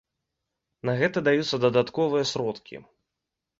На гэта даюцца дадатковыя сродкі.